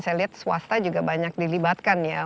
saya lihat swasta juga banyak dililiki